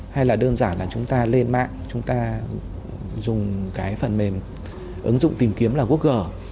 hay là đơn giản là chúng ta lên mạng chúng ta dùng cái phần mềm ứng dụng tìm kiếm là google